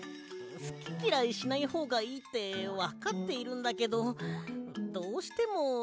すききらいしないほうがいいってわかっているんだけどどうしてもたべられないんだよな。